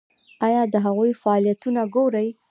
ایا د هغوی فعالیتونه ګورئ؟